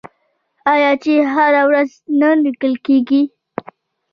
آیا چې هره ورځ نه لیکل کیږي؟